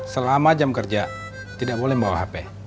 selama jam kerja tidak boleh membawa hp